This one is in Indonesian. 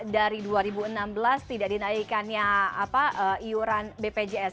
dari dua ribu enam belas tidak dinaikannya iuran bpjs